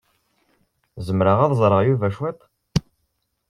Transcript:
Zemreɣ ad ẓreɣ Yuba cwiṭ?